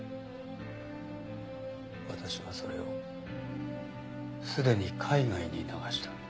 私はそれをすでに海外に流した。